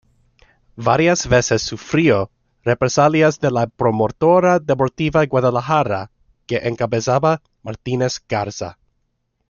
Varias veces sufrió represalias de la 'Promotora Deportiva Guadalajara' que encabezaba Martínez Garza.